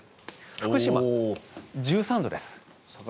福島、１３度です。